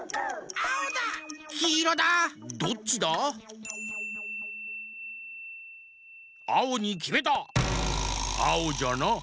あおじゃな。